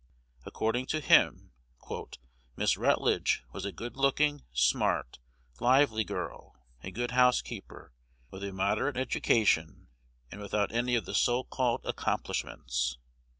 According to him, "Miss Rutledge was a good looking, smart, lively girl, a good housekeeper, with a moderate education, and without any of the so called accomplishments."